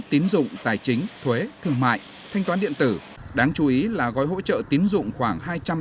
tín dụng tài chính thuế thương mại thanh toán điện tử đáng chú ý là gói hỗ trợ tín dụng khoảng